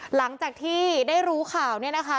หลังจากที่ได้รู้ข่าวเนี่ยนะคะ